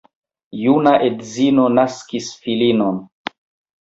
Juna edzino naskis filinon.